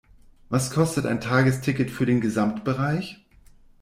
Was kostet ein Tagesticket für den Gesamtbereich?